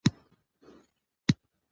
خو بر عکس د احمد الله امین زوی